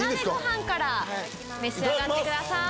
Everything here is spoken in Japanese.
召し上がってください。